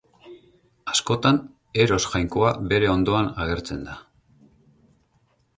Askotan Eros jainkoa bere ondoan agertzen da.